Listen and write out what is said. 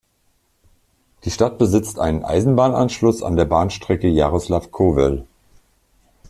Die Stadt besitzt einen Eisenbahnanschluss an der Bahnstrecke Jarosław–Kowel.